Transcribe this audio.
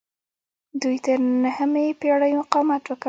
دوی تر نهمې پیړۍ مقاومت وکړ